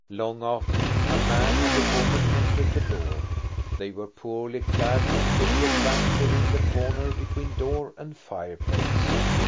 Long after him a man and a woman entered the door. They were poorly clad and lingered bashfully in the corner between door and fireplace.